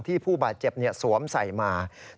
ผู้บาดเจ็บสวมใส่มา